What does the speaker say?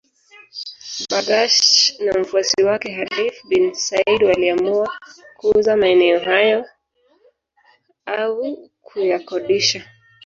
Bargash na mfuasi wake Khalifa bin Said waliamua kuuza maeneo hayo au kuyakodisha